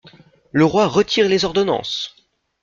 Le Roi retire les ordonnances!